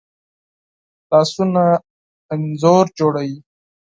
لاسونه انځور جوړوي